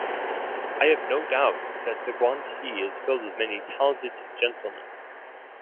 I have no doubt that the Guanxi is filled with many talented gentlemen.